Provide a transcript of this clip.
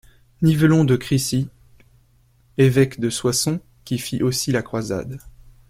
Nivelon de Chrisy, évêque de Soissons qui fit aussi la croisade.